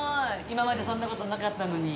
今までそんな事なかったのに？